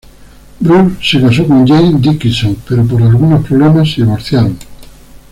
Bruce se casó con Jane Dickinson, pero por algunos problemas, se divorciaron.